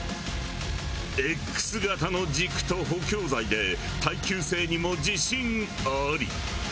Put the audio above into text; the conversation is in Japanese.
エックス型の軸と補強材で耐久性にも自信あり。